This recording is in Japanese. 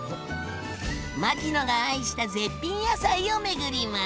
牧野が愛した絶品野菜を巡ります。